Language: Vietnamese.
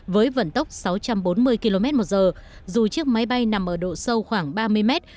với vận tốc sáu trăm bốn mươi km một giờ dù chiếc máy bay nằm ở độ sâu khoảng ba mươi mét